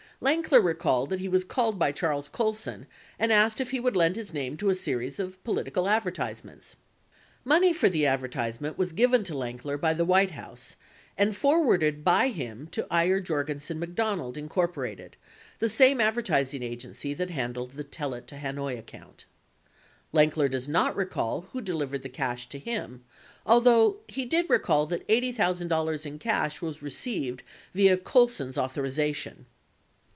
Lankier recalled that he was called by Charles Colson and asked if he would lend his name to a series of political adver tisements. 72 Money for the advertisement was given to Lankier by the White House and forwarded by him to Ayer/Jorgensen/MacDonald, Inc., the same advertising agency that handled the "Tell It to Hanoi" ac count. 73 Lankier does not recall who delivered the cash to him, al though he did recall that $80,000 in cash was received via Colson's authorization.